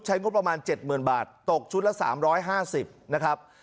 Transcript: ใช้งบประมาณเจ็ดหมื่นบาทตกชุดละสามร้อยห้าสิบนะครับ